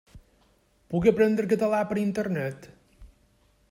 Puc aprendre català per Internet?